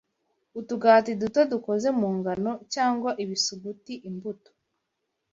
Utugati duto dukoze mu ngano, cyangwa ibisuguti, imbuto,